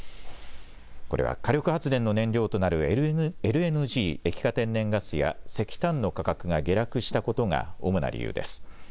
これは火力発電の燃料となるＬＮＧ・液化天然ガスや石炭の価格が下落したことが主な理由です。